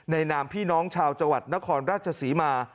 นามพี่น้องชาวจังหวัดนครราชศรีมา